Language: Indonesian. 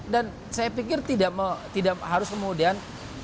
dan saya pikir tidak harus kemudian